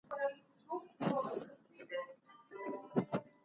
د افغانانو او مرهټيانو ترمنځ اړیکي څنګه خرابې سوې؟